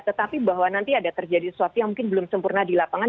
tetapi bahwa nanti ada terjadi sesuatu yang mungkin belum sempurna di lapangan